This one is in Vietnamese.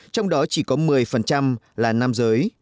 trong đó chỉ có một mươi là nam giới